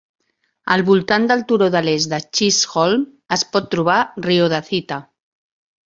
Al voltant del turó de l'est de Chisholm es pot trobar riodacita.